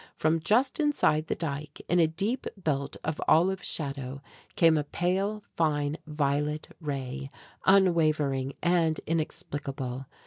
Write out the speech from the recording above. From just inside the dike, in a deep belt of olive shadow, came a pale, fine violet ray, unwavering and inexplicable.